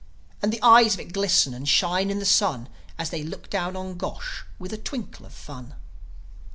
And the eyes of it glisten and shine in the sun, As they look down on Gosh with a twinkle of fun.